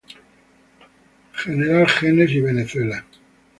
General Genes y Venezuela.